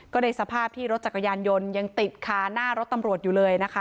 ก็ในสภาพที่รถจักรยานยนต์ยังติดคาหน้ารถตำรวจอยู่เลยนะคะ